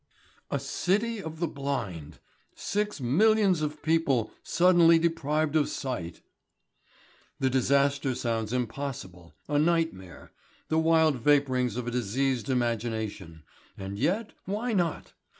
A city of the blind! Six millions of people suddenly deprived of sight! The disaster sounds impossible a nightmare, the wild vapourings of a diseased imagination and yet why not?